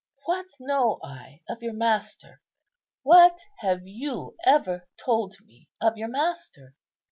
what know I of your Master? what have you ever told me of your Master?